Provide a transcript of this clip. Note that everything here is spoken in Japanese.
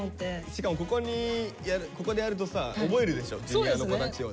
しかもここでやるとさ覚えるでしょＪｒ．の子たちをね。